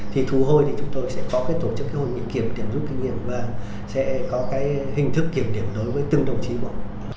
thì thú hôi thì chúng tôi sẽ có cái tổ chức cái hội nghiệp kiểm tiểm giúp kinh nghiệm và sẽ có cái hình thức kiểm tiểm đối với từng đồng chí mộng